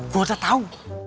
gue udah tau